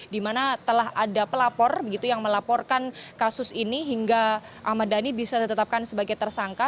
di mana telah ada pelapor begitu yang melaporkan kasus ini hingga ahmad dhani bisa ditetapkan sebagai tersangka